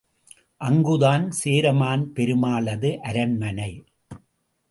அங்குதான் சேரமான் பெருமாளது அரண்மனை.